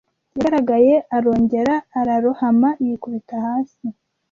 yagaragaye arongera ararohama yikubita hasi